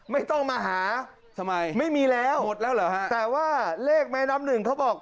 ไม่ต้องมาหาไม่มีแล้วแต่ว่าเลขแม่นำหนึ่งเขาบอก